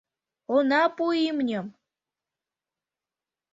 — Она пу имньым!